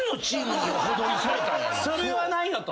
それはないよと。